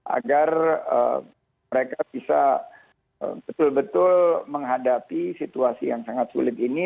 agar mereka bisa betul betul menghadapi situasi yang sangat sulit ini